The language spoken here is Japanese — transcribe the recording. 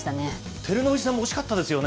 照ノ富士さんも惜しかったですよね。